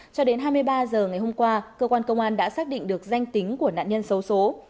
cho đến hai mươi ba h ngày hôm qua cơ quan công an đã xác định được danh tính của nạn nhân xấu xố